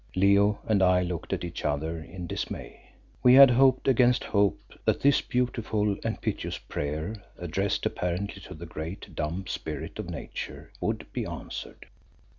Leo and I looked at each other in dismay. We had hoped against hope that this beautiful and piteous prayer, addressed apparently to the great, dumb spirit of Nature, would be answered.